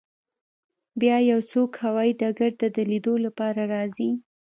بیا یو څوک هوایی ډګر ته د لیدو لپاره راځي